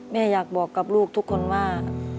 แม่อยากบอกกับลูกทุกคนว่า